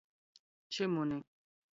Čymyni.